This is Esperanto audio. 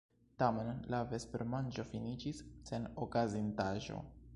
Tamen la vespermanĝo finiĝis sen okazintaĵo.